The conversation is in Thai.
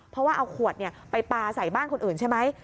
เพราะว่าเอาขวดไปปลาใส่บ้านคนอื่นใช่ไหม